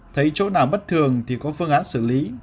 thấy chỗ nào bất thường thì có phương án xử lý